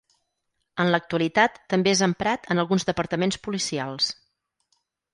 En l'actualitat també és emprat en alguns departaments policials.